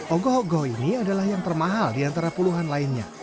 ogoh ogoh ini adalah yang termahal di antara puluhan lainnya